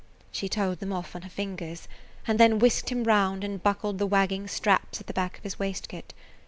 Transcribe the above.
She told them off on her fingers, and then whisked him round and buckled the wagging straps at the back of his waistcoat.